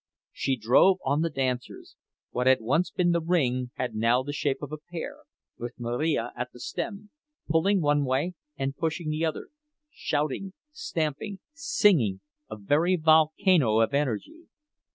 She drove on the dancers—what had once been the ring had now the shape of a pear, with Marija at the stem, pulling one way and pushing the other, shouting, stamping, singing, a very volcano of energy.